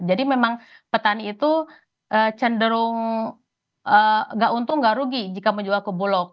jadi memang petani itu cenderung tidak untung tidak rugi jika menjual ke buluk